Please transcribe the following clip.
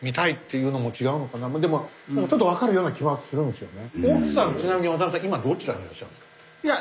でもちょっと分かるような気はするんですよね。